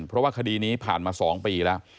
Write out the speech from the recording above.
เพราะว่าคดีนี้ผ่านมา๒ปีแล้ว